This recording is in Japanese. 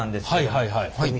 はいはいはい。